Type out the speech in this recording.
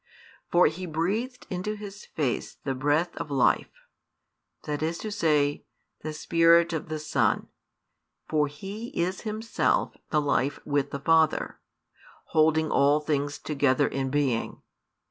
For He breathed into his face the breath of life, i.e. the Spirit of the Son, for He is Himself the Life with the Father, |319 holding all things together in being.